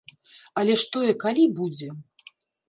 Але ж тое калі будзе.